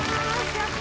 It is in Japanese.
やった。